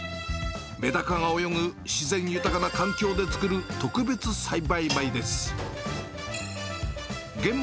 めだかが泳ぐ自然豊かな環境で作る、特別栽培米です。